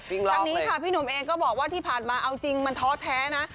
ทั้งนี้ค่ะพี่หนุ่มเองก็บอกว่าที่ผ่านมาเอาจริงมันท้อแท้นะ